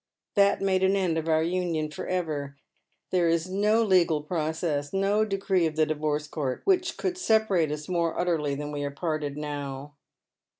That made an end of our union for ever. There is no legal process, no decree of the Divorce Court, which could separate us more utterly than we are parted now."